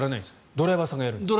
ドライバーさんがやるんですね。